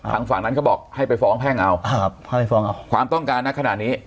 ทางฝากก็บอกให้ไปฟ้องแพ่งเอาความต้องการนะขนาดนี้